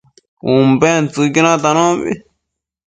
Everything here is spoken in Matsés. Umbentsëcquio natanombi